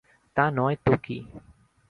তা নয় তো কী?